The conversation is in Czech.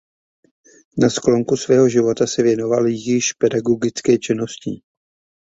Na sklonku svého života se věnoval již jen pedagogické činnosti.